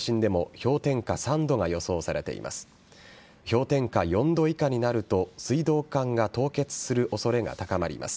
氷点下４度以下になると、水道管が凍結するおそれが高まります。